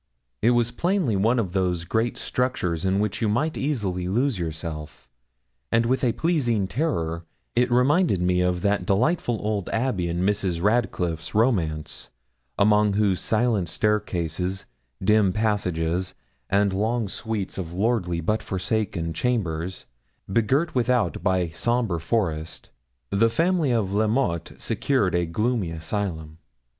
It was plainly one of those great structures in which you might easily lose yourself, and with a pleasing terror it reminded me of that delightful old abbey in Mrs. Radcliffe's romance, among whose silent staircases, dim passages, and long suites of lordly, but forsaken chambers, begirt without by the sombre forest, the family of La Mote secured a gloomy asylum.